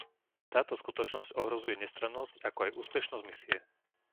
Táto skutočnosť ohrozuje nestrannosť ako aj úspešnosť misie.